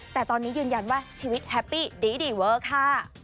แต่ตอนนี้ยืนยันว่าชีวิตแฮปปี้ดีเวอร์ค่ะ